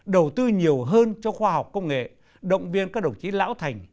đầu tư nhiều hơn cho khoa học công nghệ động viên các đồng chí lão thành